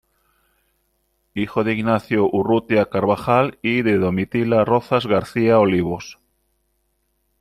Hijo de Ignacio Urrutia Carvajal y de Domitila Rozas García Olivos.